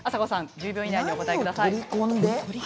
１０秒以内に、お答えください。